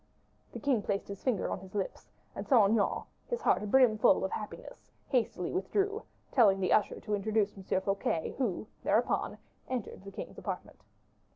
The king placed his finger on his lips; and Saint Aignan, his heart brimful of happiness, hastily withdrew, telling the usher to introduce M. Fouquet, who, thereupon, entered the king's apartment.